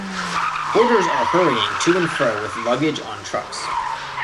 Porters are hurrying to and fro with luggage on trucks.